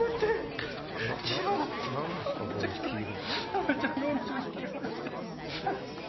浜ちゃん脳みそに黄色塗って。